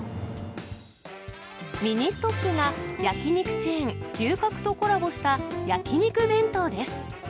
ミニストップが、焼き肉チェーン、牛角とコラボした焼き肉弁当です。